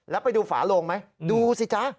แล้วไปดูฝาโลงไหมดูสิจ๊ะ